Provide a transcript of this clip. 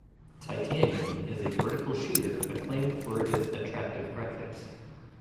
"Titanion" is a vertical shooter acclaimed for its attractive graphics.